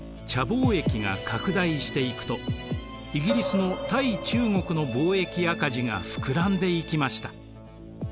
貿易が拡大していくとイギリスの対中国の貿易赤字が膨らんでいきました。